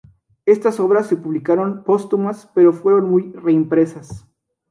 Estas obras se publicaron póstumas pero fueron muy reimpresas.